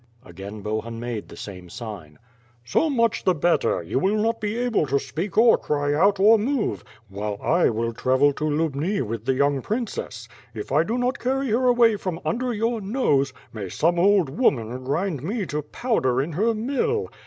Again Bohun made the same sign. "So much the better; yon will not hv. able to speak or cry out, or move; while I will travel to Lubni with the young princess. If I do not carry her away from under your nose. may some old woman grind nie to ])owder in her mill!